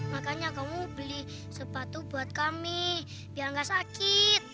makanya kamu beli sepatu buat kami biar enggak sakit